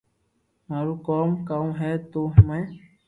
مارو ڪوم ڪاو ھي تو ۾